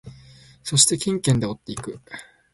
そしてケンケンで追っていく。